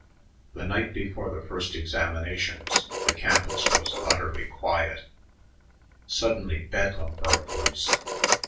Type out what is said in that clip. The night before the first examinations the campus was utterly quiet. Suddenly bedlam broke loose.